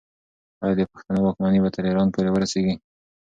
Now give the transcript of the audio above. آیا د پښتنو واکمني به تر ایران پورې ورسیږي؟